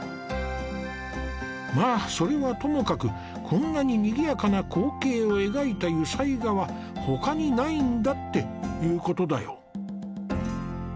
まあそれはともかくこんなににぎやかな光景を描いた油彩画は他にないんだっていうことだよ。